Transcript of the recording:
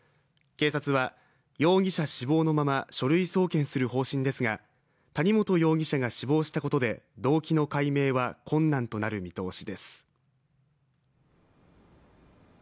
警察は、容疑者死亡のまま書類送検する方針ですが、谷本容疑者が死亡したことで動機の解明は困難となる見通しです。